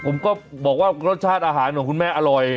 ผมก็บอกว่ารสชาติอาหารของคุณแม่อร่อย